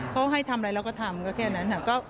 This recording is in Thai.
เขาให้ทำอะไรเราก็ทำก็แค่นั้นค่ะ